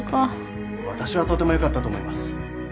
私はとてもよかったと思います。